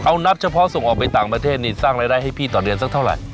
เอานับเฉพาะส่งออกไปต่างประเทศนี่สร้างรายได้ให้พี่ต่อเดือนสักเท่าไหร่